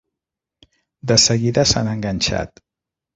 De seguida s'han enganxat.